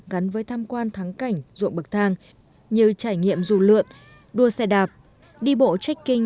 gắn với tham quan thắng cảnh ruộng bậc thang như trải nghiệm dù lượn đua xe đạp đi bộ checking